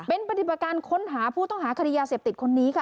เป็นปฏิบัติการค้นหาผู้ต้องหาคดียาเสพติดคนนี้ค่ะ